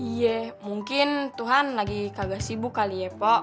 iya mungkin tuhan lagi kagak sibuk kali ya pak